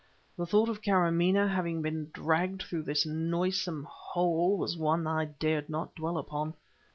The thought of Kâramaneh having been dragged through this noisome hole was one I dared not dwell upon.